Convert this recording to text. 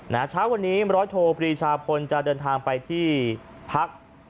นะฮะเช้าวันนี้มรโถปรีชาพลจะเดินทางไปที่พัก